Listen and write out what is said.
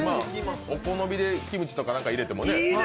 お好みでキムチとか入れてもね。